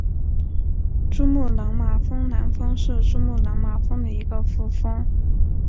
珠穆朗玛南峰是珠穆朗玛峰的一个副峰。